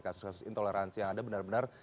kasus kasus intoleransi yang ada benar benar